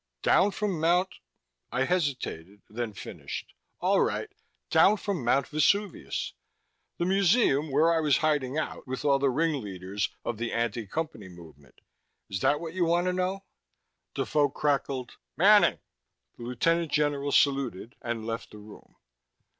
"Down from Mount " I hesitated, then finished. "All right. Down from Mount Vesuvius. The museum, where I was hiding out with the ringleaders of the anti Company movement. Is that what you want to know?" Defoe crackled: "Manning!" The lieutenant general saluted and left the room.